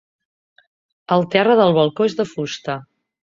El terra del balcó és de fusta.